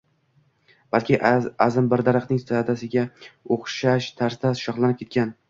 Balki azim bir daraxtning sadasiga oʻxshash tarzda shoxlanib ketgan.